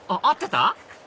合ってた？